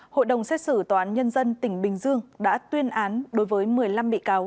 hội đồng xét xử tòa án nhân dân tỉnh bình dương đã tuyên án đối với một mươi năm bị cáo